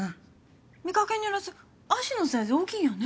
見かけによらず足のサイズ大きいんやね。